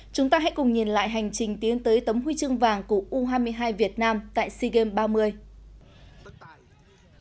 chúng ta hãy cùng nhìn lại hành trình tiến tới tấm huy chương vàng của u hai mươi hai việt nam tại sea games ba mươi